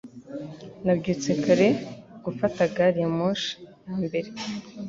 Nabyutse kare gufata gari ya moshi ya mbere